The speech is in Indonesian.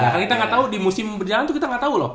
kan kita ga tau di musim berjalan tuh kita ga tau loh